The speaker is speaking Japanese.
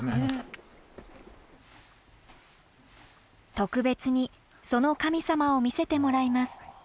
特別にその神様を見せてもらいます。